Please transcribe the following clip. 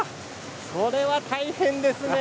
それは大変ですね。